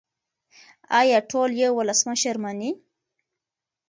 آیا ټول یو ولسمشر مني؟